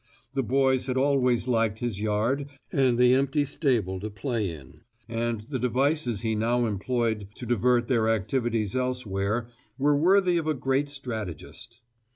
The boys had always liked his yard and the empty stable to play in, and the devices he now employed to divert their activities elsewhere were worthy of a great strategist.